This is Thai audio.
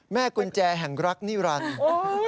แม่กุญแจแห่งรักนิรันดิ์